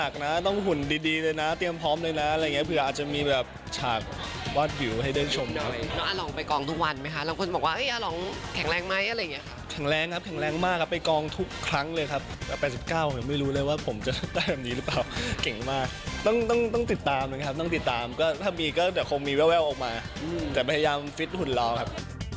ก็ถ้ามีก็จะคงมีแววออกมาแต่พยายามฟิตหุ่นร้องครับ